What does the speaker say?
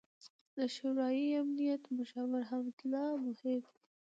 ، د شورای امنیت مشاور حمد الله محب